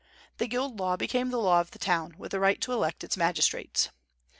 The guild law became the law of the town, with the right to elect its magistrates.